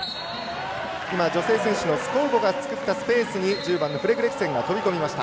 女性選手のスコウボが作ったスペースに１０番のフレズレクセンが飛び込みました。